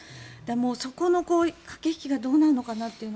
そこの駆け引きがどうなるのかなと。